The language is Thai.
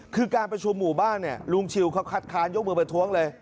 คือการประชุมหมู่บ้านเนี่ยลุงชิวเขาคัดค้านยกมือประท้วงเลย